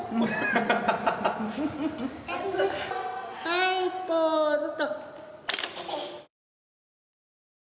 はい、ポーズと。